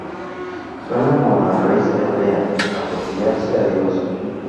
Suena como la raíz hebrea "arrodillarse a Dios".